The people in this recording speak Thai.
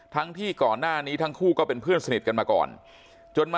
ทั้งที่ก่อนหน้านี้ทั้งคู่ก็เป็นเพื่อนสนิทกันมาก่อนจนมา